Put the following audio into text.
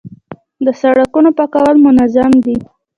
د سړکونو پاکول منظم دي؟